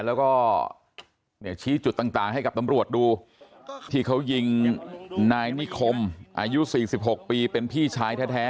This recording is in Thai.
แล้วก็ชี้จุดต่างให้กับตำรวจดูที่เขายิงนายนิคมอายุ๔๖ปีเป็นพี่ชายแท้